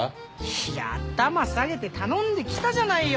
いや頭下げて頼んできたじゃないよ